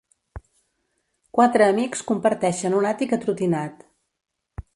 Quatre amics comparteixen un àtic atrotinat.